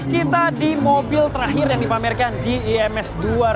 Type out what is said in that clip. kita di mobil terakhir yang dipamerkan di ims dua ribu dua puluh